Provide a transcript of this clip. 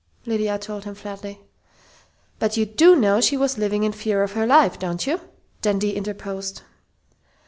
Lydia told him flatly. "But you do know she was living in fear of her life, don't you?" Dundee interposed.